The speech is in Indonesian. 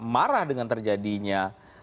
marah dengan terjadinya